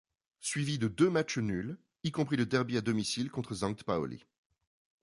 Suivi de deux matchs nuls, y compris le derby à domicile contre Sankt Pauli.